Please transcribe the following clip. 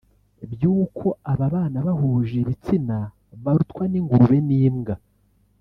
by’uko ababana bahuje ibitsina barutwa n’ingurube n’imbwa